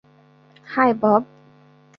High, Bob.